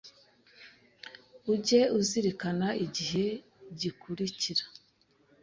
Ujye uzirikana igihe gikurikira.